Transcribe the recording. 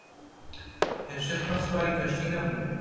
پێشتر قەت سواری کەشتی نەبووم.